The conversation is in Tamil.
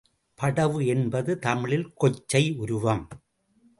படவு என்பது தமிழில் கொச்சை உருவம்.